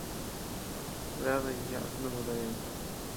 Daday yaás nuku dayay.